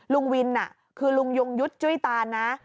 ลุงวินคือลุงยงยุทธ์จุ้ยตานนะ